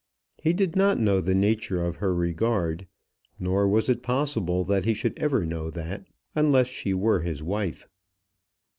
He did not know the nature of her regard; nor was it possible that he should ever know that, unless she were his wife.